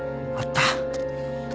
あった！